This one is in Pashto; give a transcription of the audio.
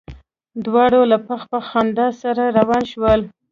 دواړه له پخ پخ خندا سره روان شول.